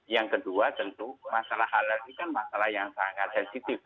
yang kedua tentu masalah halal ini kan masalah yang sangat sensitif